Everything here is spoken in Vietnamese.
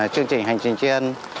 chương trình hành trình triên